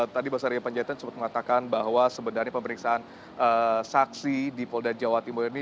tadi basaria panjaitan sempat mengatakan bahwa sebenarnya pemeriksaan saksi di polda jawa timur ini